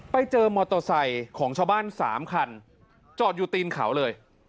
ไปเจอมอเตอร์ไซค์ของชาวบ้าน๓คันจอดอยู่ตีนเขาเลย